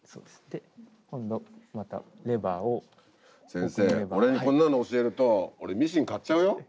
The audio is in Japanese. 先生俺にこんなの教えると俺ミシン買っちゃうよ。